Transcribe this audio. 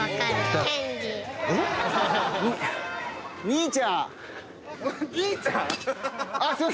兄ちゃん。